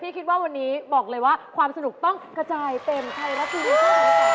พี่คิดว่าวันนี้บอกเลยว่าความสนุกต้องกระจ่ายเต็มใครละทีในช่วงนี้